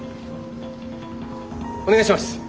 お願いします！